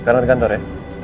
sekarang di kantor ya